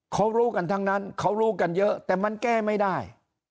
เขารู้กันทั้งนั้นเขารู้กันเยอะแต่มันแก้ไม่ได้